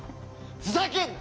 ふざけんな！